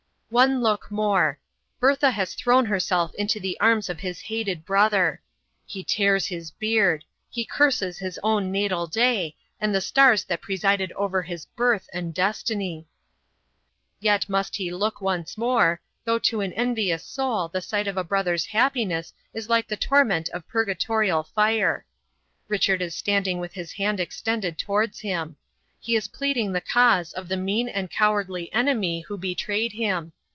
One look more. Bertha has thrown herself into the arms of his hated brother. He tears his beard; he curses his own natal day, and the stars that presided over his birth and destiny. Yet must he look once more, though to an envious soul the sight of a brother's happiness is like the torment of purgatorial fire. Richard is standing with his hand extended towards him. He is pleading the cause of the mean and cowardly enemy who betrayed him.